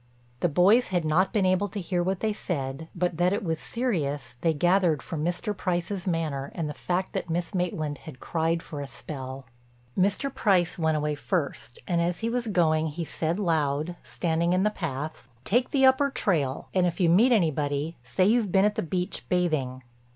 The boys had not been able to hear what they said, but that it was serious they gathered from Mr. Price's manner and the fact that Miss Maitland had cried for a spell. Mr. Price went away first, and as he was going he said loud, standing in the path, "Take the upper trail and if you meet anybody say you've been at the beach bathing."